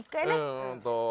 うーんと。